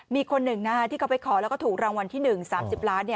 มีคนหนึ่งที่เขาไปขอแล้วก็ถูกรางวัลที่๑๓๐ล้าน